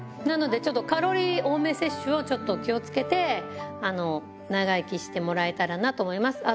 なので、ちょっとカロリー多め摂取をちょっと気をつけて、長生きしてもらえたらなと思います。